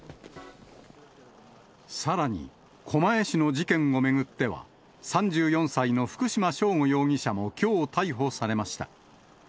さらに、狛江市の事件を巡っては、３４歳の福島聖悟容疑者もきょう逮捕されました。